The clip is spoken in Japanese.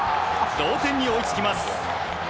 同点に追いつきます。